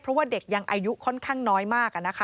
เพราะว่าเด็กยังอายุค่อนข้างน้อยมาก